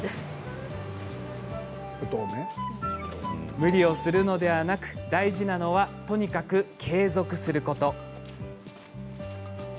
無理をするのではなく大事なのはとにかく継続すること。